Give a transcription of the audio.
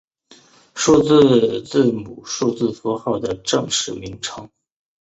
数学字母数字符号的正式名称。